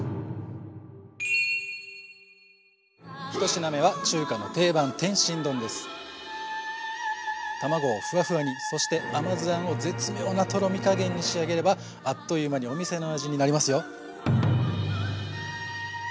ひと品目は中華の定番卵をフワフワにそして甘酢あんを絶妙なとろみ加減に仕上げればあっという間にお店の味になりますよ。